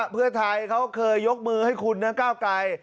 เพื่อไทยเขาเคยยกมือให้คุณทั้งก้าวไกร